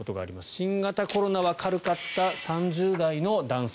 新型コロナは軽かった３０代の男性。